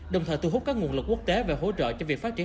đồng thời thu hút các nguồn lực quốc tế về hỗ trợ cho việc phát triển